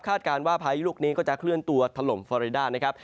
การว่าพายุลูกนี้ก็จะเคลื่อนตัวถล่มฟอริดานะครับ